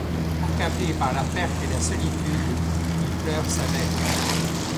Accablé par la perte et la solitude, il pleure sa belle.